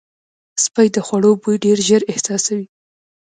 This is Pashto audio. سپي د خوړو بوی ډېر ژر احساسوي.